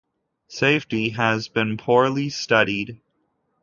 Safety has been poorly studied.